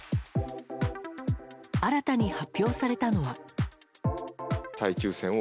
新たに発表されたのは。